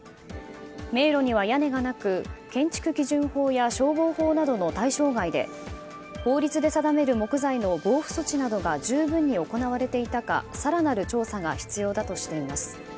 迷路には屋根がなく建築基準法や消防法などの対象外で法律で定める木材の防腐措置などが十分行われていたか更なる調査が必要だとしています。